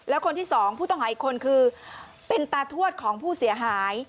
แล้วคนที่สองผู้ต้องหาอีกคนคือเป็นตาทวดของผู้เสียหาย